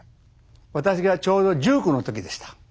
私がちょうど１９の時でした。